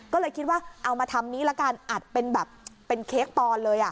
ก็เลยคิดว่าเอามาทำนี้ละกันอัดเป็นแบบเป็นเค้กปอนด์เลย